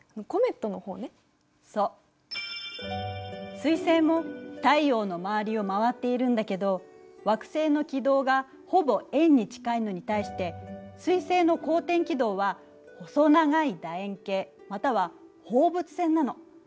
彗星も太陽の周りを回っているんだけど惑星の軌道がほぼ円に近いのに対して彗星の公転軌道は細長いだ円形または放物線なの。